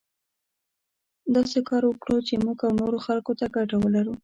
داسې کار وکړو چې موږ او نورو خلکو ته ګټه ولري.